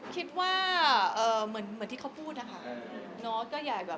คิดว่าเหมือนที่เขาพูดนะคะ